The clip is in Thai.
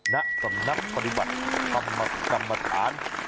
นักสำนักปฏิบัติธรรมฐาน